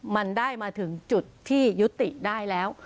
มันได้มาถึงจุดที่ยุติได้แล้ว